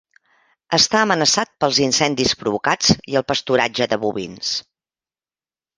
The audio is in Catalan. Està amenaçat pels incendis provocats i el pasturatge de bovins.